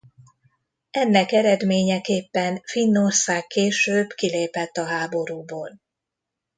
Ennek eredményeképpen Finnország később kilépett a háborúból.